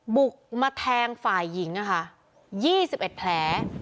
บุกมาแทงฝ่ายหญิงอ่ะคะยี่สิบเอ็ดแพร้